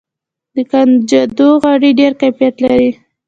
د کنجدو غوړي ډیر کیفیت لري.